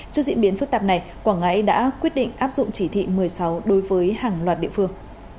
trong bước tạp này quảng ngãi đã quyết định áp dụng chỉ thị một mươi sáu đối với hàng loạt địa phương